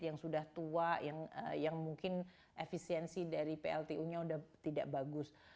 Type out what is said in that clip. yang sudah tua yang mungkin efisiensi dari pltu nya sudah tidak bagus